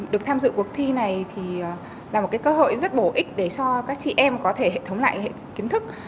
được tham dự cuộc thi này thì là một cơ hội rất bổ ích để cho các chị em có thể hệ thống lại hệ kiến thức